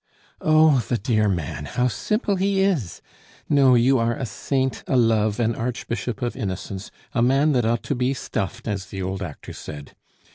"Oh! the dear man! how simple he is? No, you are a saint, a love, an archbishop of innocence, a man that ought to be stuffed, as the old actor said.